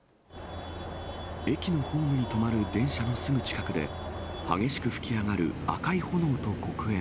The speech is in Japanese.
駅のホームに止まる電車のすぐ近くで激しく噴き上がる赤い炎と黒煙。